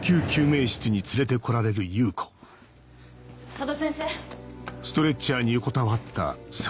佐渡先生！